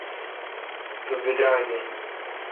تو بدراگ این۔